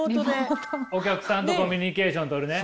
お客さんとコミュニケーションとるね。